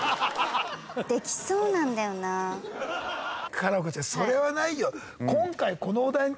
夏菜子ちゃんそれはないよ。